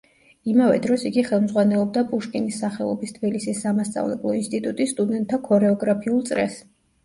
იმავე დროს იგი ხელმძღვანელობდა პუშკინის სახელობის თბილისის სამასწავლებლო ინსტიტუტის სტუდენტთა ქორეოგრაფიულ წრეს.